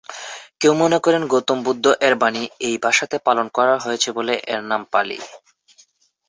কেউ মনে করেন গৌতম বুদ্ধ এর বাণী এই ভাষাতে পালন করা হয়েছে বলে এর নাম পালি।